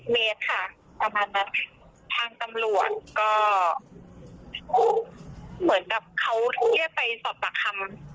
เมตรค่ะประมาณนั้นทางตำรวจก็เหมือนกับเขาเรียกไปสอบปากคำ